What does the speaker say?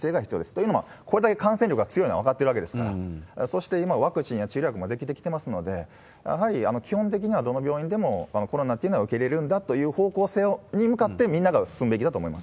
というのも、これだけ感染力が強いのは分かってるわけですから、そして今、ワクチンや治療薬も出来てきてますので、やはり基本的にはどの病院でもコロナっていうのは受け入れるんだという方向性に向かって、みんなが進んでいくべきだと思います。